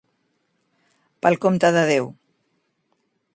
Pel compte de Déu.